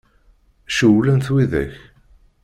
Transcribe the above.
Cewwlen-t widak?